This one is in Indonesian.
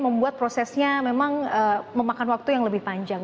membuat prosesnya memang memakan waktu yang lebih panjang